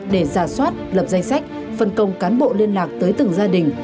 để giả soát lập danh sách phân công cán bộ liên lạc tới từng gia đình